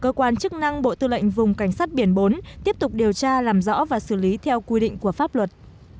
cơ quan chức năng bộ tư lệnh vùng cảnh sát biển bốn tiếp tục điều tra làm rõ và xử lý theo quy định của pháp luật